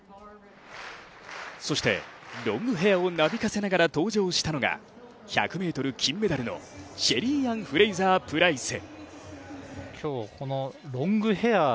そしてロングへアをなびかせながら登場したのが、１００ｍ金メダルのシェリーアン・フレイザー・プライス。